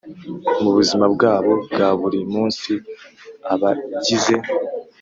Mu buzima bwabo bwa buri munsi abagize